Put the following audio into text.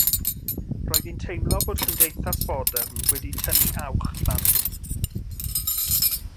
Roedd hi'n teimlo bod cymdeithas fodern wedi “'tynnu awch” plant.